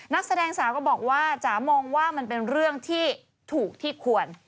นักแสดงสาวก็บอกว่าจ๋ามองว่ามันเป็นเรื่องที่ถูกที่ควร